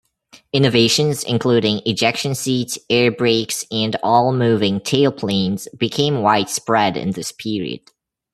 Innovations including ejection seats, air brakes and all-moving tailplanes became widespread in this period.